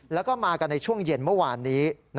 แล้วก็มากันในช่วงเย็นเมื่อวานนี้